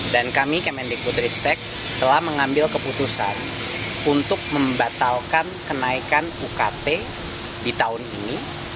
dan kami kemendikbud ristek telah mengambil keputusan untuk membatalkan kenaikan ukt di tahun ini